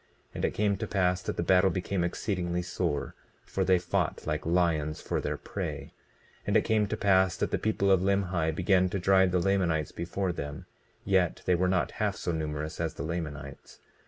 20:10 And it came to pass that the battle became exceedingly sore, for they fought like lions for their prey. 20:11 And it came to pass that the people of Limhi began to drive the Lamanites before them; yet they were not half so numerous as the Lamanites.